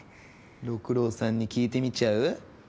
六郎さんに聞いてみちゃう？